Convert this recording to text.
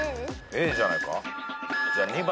Ａじゃないか？